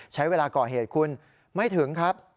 ใช้เวลาก่อเหตุคุณไม่ถึงครับ